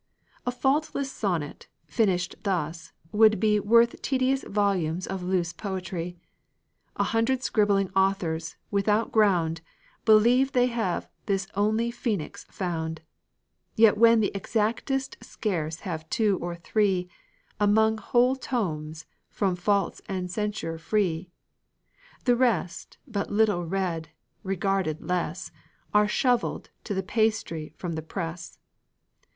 A faultless sonnet, finished thus, would be Worth tedious volumes of loose poetry. A hundred scribbling authors, without ground, Believe they have this only phoenix found, When yet the exactest scarce have two or three, Among whole tomes, from faults and censure free; The rest, but little read, regarded less, Are shoveled to the pastry from the press.